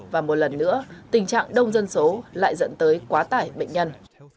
và một lần nữa tình trạng đông dân số lại dẫn tới quá tải bệnh nhân